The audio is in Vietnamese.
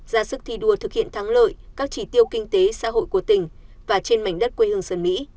ra sức thi đua thực hiện thắng lợi các chỉ tiêu kinh tế xã hội của tỉnh và trên mảnh đất quê hương sơn mỹ